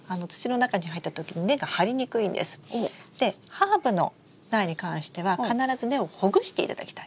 ハーブの苗に関しては必ず根をほぐしていただきたい。